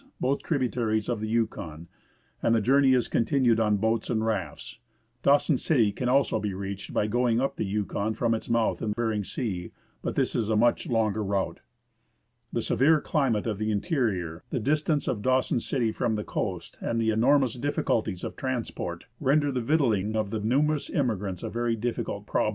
both tributaries of the Yukon, and the journey is continued on boats and rafts, Dawson City can be also reached by going up the Yukon from its mouth in Behring Sea, but this is a much longer route. The severe climate of the interior, the dis tance of Dawson City from the coast, and the enormous difficulties of transport, render the victualling of the numerous immigrants a very difficult problem.